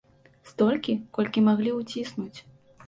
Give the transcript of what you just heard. Столькі, колькі маглі ўціснуць.